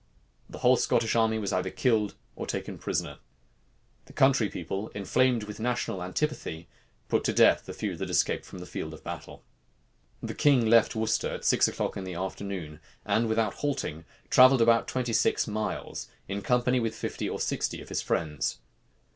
The whole Scottish army was either killed or taken prisoners. The country people, inflamed with national antipathy, put to death the few that escaped from the field of battle. The king left Worcester at six o'clock in the afternoon, and without halting, travelled about twenty six miles, in company with fifty or sixty of his friends.